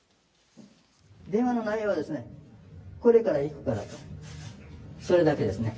電話の内容は、これから行くからと、それだけですね。